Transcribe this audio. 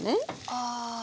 ああ。